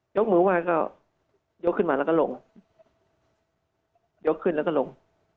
ยกมือไหว้ก็ยกขึ้นมาแล้วก็ลงยกขึ้นแล้วก็ลง